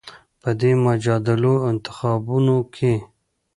په دې مجادلو او انتخابونو کې